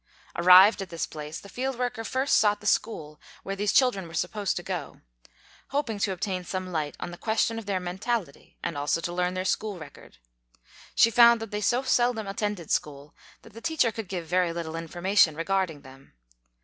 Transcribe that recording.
Arrived at this place, the field worker first sought the school where these children were supposed to go, hoping to obtain some light on the question of their mentality and also to learn their school record. She found that they so seldom attended school that the teacher could give very little information regarding them.